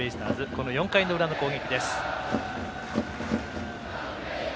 この４回の裏の攻撃です。